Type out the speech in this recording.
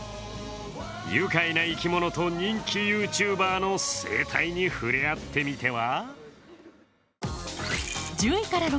ゆかいな生き物と人気ＹｏｕＴｕｂｅｒの生態に触れ合ってみては？